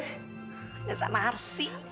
nggak sama arsik